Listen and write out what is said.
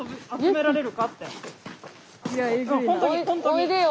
おいでよ。